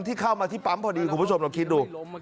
ที่เข้ามาที่ปั๊มพอดีคุณผู้ชมลองคิดดู